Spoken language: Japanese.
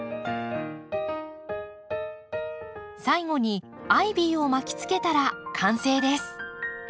最後にアイビーを巻きつけたら完成です。